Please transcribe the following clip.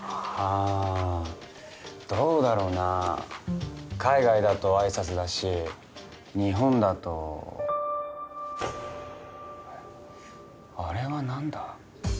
あどうだろうな海外だと挨拶だし日本だとあれは何だ？